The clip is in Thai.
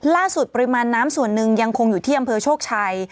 ปริมาณน้ำส่วนหนึ่งยังคงอยู่ที่อำเภอโชคชัย